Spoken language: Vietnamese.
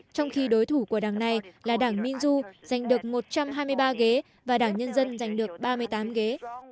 trong khi đối thủ của đảng này là đảng minzu giành được một trăm hai mươi ba ghế và đảng nhân dân giành được ba mươi tám ghế